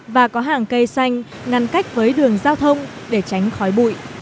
và có hàng cây xanh ngăn cách với đường giao thông để tránh khói bụi